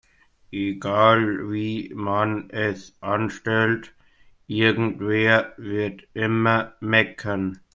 Egal wie man es anstellt, irgendwer wird immer meckern.